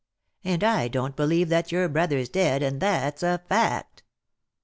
And I don't believe that your brother's dead, and that's a fact."